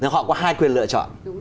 nên họ có hai quyền lựa chọn